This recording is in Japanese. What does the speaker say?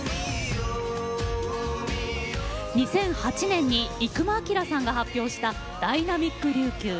２００８年にイクマあきらさんが発表した「ダイナミック琉球」。